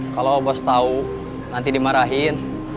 kalau bos tau nanti dimarahin